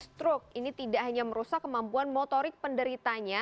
stroke ini tidak hanya merusak kemampuan motorik penderitanya